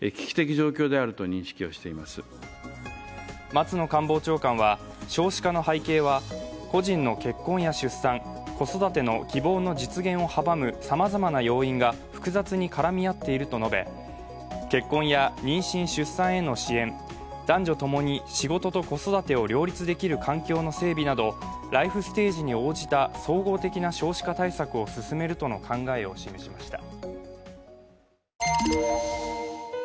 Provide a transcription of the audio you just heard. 松野官房長官は少子化の背景は個人の結婚や出産子育ての希望の実現をはばむさまざまな要因が複雑に絡み合っていると述べ結婚や妊娠出産への支援、男女共に仕事と子育てを両立できる環境の整備などライフステージに応じた総合的な少子化対策を進めるとの考えを示しました。